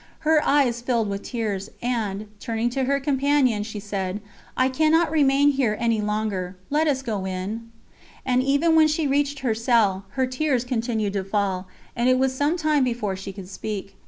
Her eyes filled with tears, and, turning to her companion, she said: "I cannot remain here any longer, let us go in!" And even when she reached her cell, her tears continued to fall, and it was some time before she could speak.